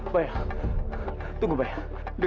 pengkhianat pengkhianat pengoneyan